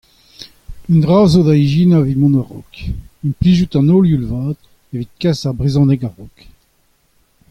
Un dra a zo da ijinañ evit mont war-raok : implijout an holl youl vat zo evit kas ar brezhoneg war-raok.